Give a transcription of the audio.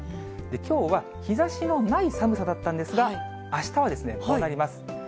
きょうは日ざしのない寒さだったんですが、あしたはこうなります。